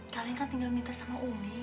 kalian kan tinggal minta sama umi